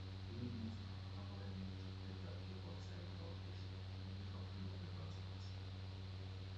সৈয়দ মোস্তফা কামালের নেতৃত্বে জাতীয় পর্যায়ে দলকে স্বীকৃতি দিতে সক্রিয়ভাবে কাজ করছেন।